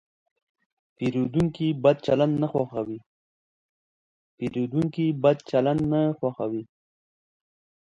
پیرودونکی د بد چلند نه خوښوي.